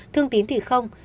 thương tín thì không